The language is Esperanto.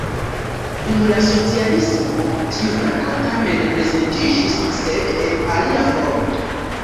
Dum la socialismo tiu verko tamen prezentiĝis, sed en alia formo.